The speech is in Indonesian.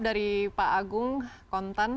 dari pak agung kontan